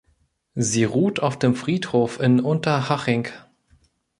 Sie ruht auf dem Friedhof in Unterhaching.